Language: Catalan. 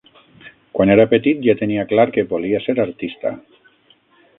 Quan era petit, ja tenia clar que volia ser artista.